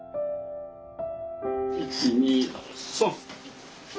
１２の３！